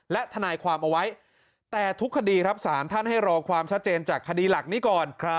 และทนายความเอาไว้แต่ทุกคดีครับสารท่านให้รอความชัดเจนจากคดีหลักนี้ก่อน